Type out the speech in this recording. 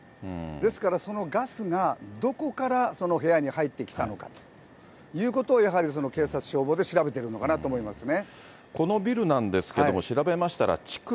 ですから、そのガスがどこから部屋に入ってきたのかということを、やはり警察、消防で調べてるのかなと思いますね。